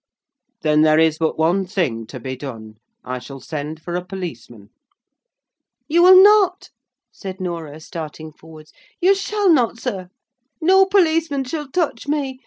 "Then there is but one thing to be done. I shall send for a policeman." "You will not," said Norah, starting forwards. "You shall not, sir! No policeman shall touch me.